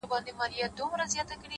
خوند كوي دا دوه اشــــنا،